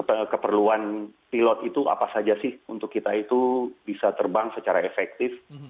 tapi keperluan pilot itu apa saja sih untuk kita itu bisa terbang secara efektif